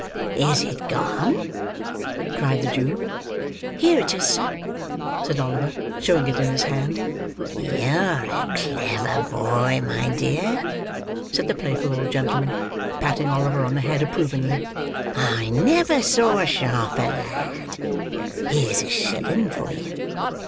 "Is it gone?" cried the Jew. "Here it is, sir," said Oliver, showing it in his hand. "You're a clever boy, my dear," said the playful old gentleman, patting Oliver on the head approvingly. "I never saw a sharper lad. Here's a shilling for you.